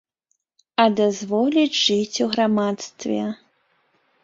А дазволіць жыць у грамадстве.